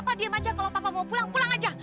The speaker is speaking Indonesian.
kok diem aja kalau papa mau pulang pulang aja